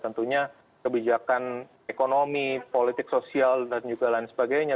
tentunya kebijakan ekonomi politik sosial dan juga lain sebagainya